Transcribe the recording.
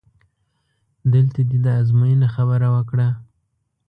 دلته دې د ازموینې خبره وکړه؟!